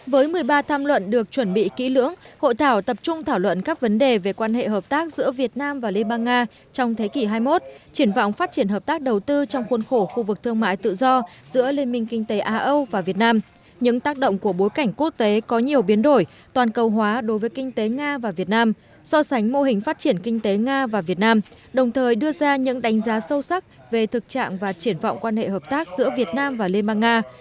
với một mươi ba tham luận được chuẩn bị kỹ lưỡng hội thảo tập trung thảo luận các vấn đề về quan hệ hợp tác giữa việt nam và liên bang nga trong thế kỷ hai mươi một triển vọng phát triển hợp tác đầu tư trong khuôn khổ khu vực thương mại tự do giữa liên minh kinh tế a âu và việt nam những tác động của bối cảnh quốc tế có nhiều biến đổi toàn cầu hóa đối với kinh tế nga và việt nam so sánh mô hình phát triển kinh tế nga và việt nam đồng thời đưa ra những đánh giá sâu sắc về thực trạng và triển vọng quan hệ hợp tác giữa việt nam và liên bang nga